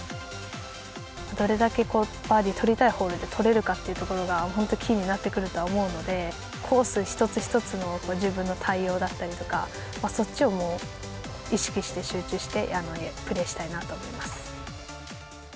どれだけバーディー取りたいホールで、取れるかっていうところが本当、キーになってくるとは思うので、コース一つ一つの自分の対応だったりとか、そっちを意識して、集中して、プレーしたいなと思います。